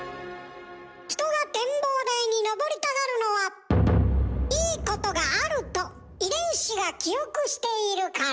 人が展望台にのぼりたがるのは「いいことがある」と遺伝子が記憶しているから。